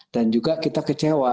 dan juga kita kecewa